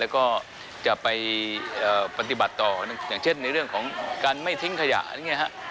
แล้วก็จะไปปฏิบัติต่ออย่างเช่นในเรื่องของการไม่ทิ้งขยะเนี่ยครับ